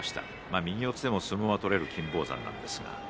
右四つでも相撲が取れる金峰山。